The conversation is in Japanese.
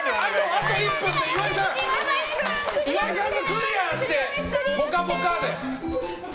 あと１分で岩井さんがクリアして「ぽかぽか」で。